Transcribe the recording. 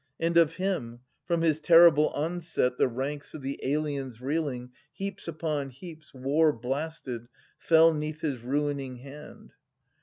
' And of him :' From his terrible onset the ranks of the aliens reeling Heaps upon heaps war blasted fell 'neath his ruin ing hand.'